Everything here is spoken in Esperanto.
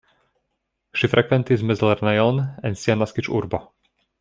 Ŝi frekventis mezlernejon en sia naskiĝurbo.